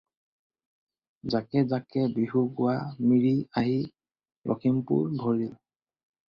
জাকে জাকে বিহু গোৱা মিৰি আহি লক্ষীমপুৰ ভৰিল।